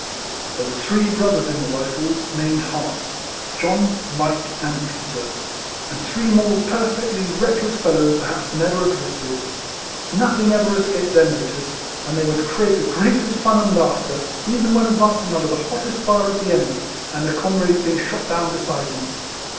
There were three brothers in the Rifles, named Hart, — John, Mike, and Peter, — and three more perfectly reckless fellows, per haps, never existed. Nothing ever escaped their notice; and they would create the greatest fun and laughter, even when ad vancing under the hottest fire of the enemy, and their comrades being shot down beside them.